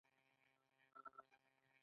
د شارپ لیدلوری دیني او اخلاقي نه دی.